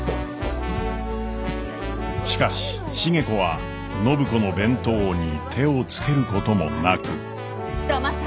しかし重子は暢子の弁当に手をつけることもなく。